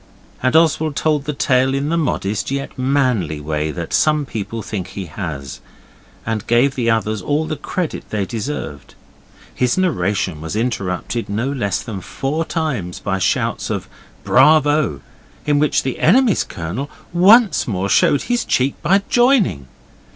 And Oswald told the tale in the modest yet manly way that some people think he has, and gave the others all the credit they deserved. His narration was interrupted no less than four times by shouts of 'Bravo!' in which the enemy's Colonel once more showed his cheek by joining.